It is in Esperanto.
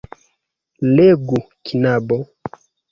Legu, knabo.